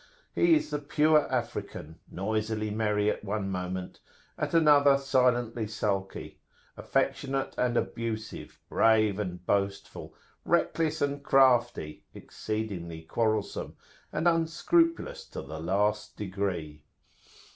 He is the pure African, noisily merry at one moment, at another silently sulky; affectionate and abusive, brave and boastful, reckless and crafty, exceedingly quarrelsome, and unscrupulous to the last degree.